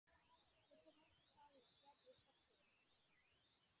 That promotion saw the club restructured.